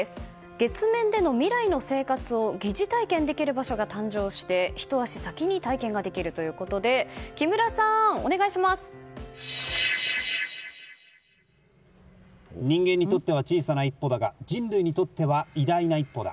月面での未来の生活を疑似体験できる場所が誕生して、ひと足先に体験ができるということで人間にとっては小さな一歩だが人類にとっては偉大な一歩だ。